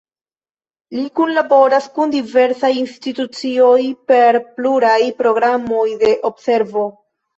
Li kunlaboras kun diversaj institucioj per pluraj programoj de observo.